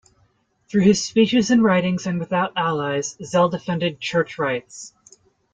Through his speeches and writings and without allies Zell defended Church rights.